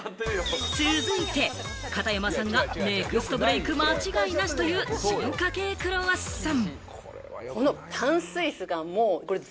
続いて、片山さんがネクストブレイク間違いなしという進化系クロワッサン。